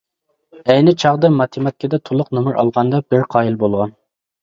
ئەينى چاغدا ماتېماتىكىدا تولۇق نومۇر ئالغاندا بىر قايىل بولغان.